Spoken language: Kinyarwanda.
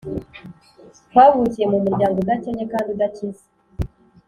Twavukiye mu muryango udakennye kandi udakize